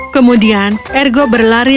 kemudian ergo berlari